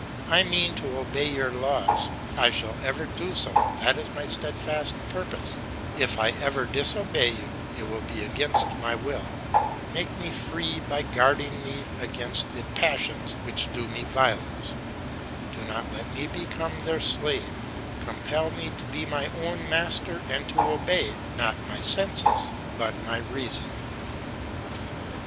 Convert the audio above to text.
I mean to obey your laws, I shall ever do so, that is my steadfast purpose; if I ever disobey you, it will be against my will; make me free by guarding me against the passions which do me violence; do not let me become their slave; compel me to be my own master and to obey, not my senses, but my reason."